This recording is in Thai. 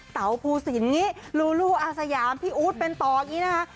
เตาภูสินลูลูอาสยามพี่อู๋เป็นต่ออย่างนี้นะคะ